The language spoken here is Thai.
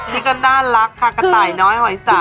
นี่ก็น่ารักค่ะกระต่ายน้อยหอยสา